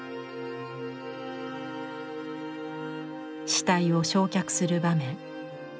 死体を焼却する場面。